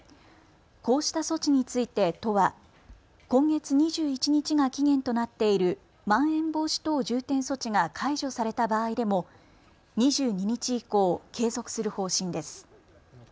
こうした措置について都は今月２１日が期限となっているまん延防止等重点措置が解除された場合でも２２日以降、継続する方針です。